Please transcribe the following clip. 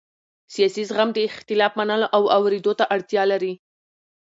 سیاسي زغم د اختلاف منلو او اورېدو ته اړتیا لري